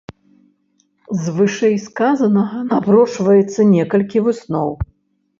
З вышэйсказанага напрошваецца некалькі высноў.